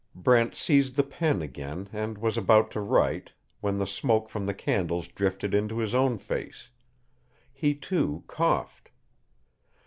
Brent seized the pen again and was about to write, when the smoke from the candles drifted into his own face. He, too, coughed.